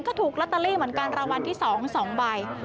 ก็ถูกลอตเตอรี่เหมือนกันรางวัลที่๒๒ใบ